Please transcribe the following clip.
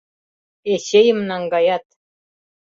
Эчейым наҥгаят.